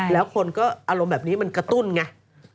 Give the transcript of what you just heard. แล้วคนก็อารมณ์แบบนี้มันกระตุ้นไง